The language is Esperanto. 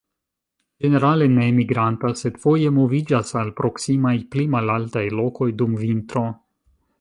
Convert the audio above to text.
Ĝenerale ne migranta, sed foje moviĝas al proksimaj pli malaltaj lokoj dum vintro.